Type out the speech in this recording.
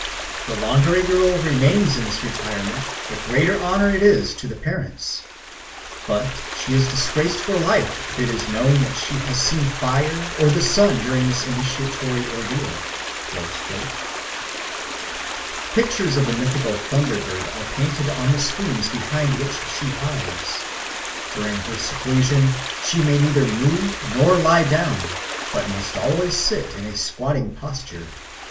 The longer a girl remains in this retirement the greater honour is it to the parents; but she is disgraced for life if it is known that she has seen fire or the sun during this initiatory ordeal." Pictures of the mythical thunder bird are painted on the screens behind which she hides. During her seclusion she may neither move nor lie down, but must always sit in a squatting posture.